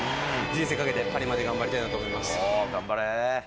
人生かけてパリまで頑張りたいなと思います。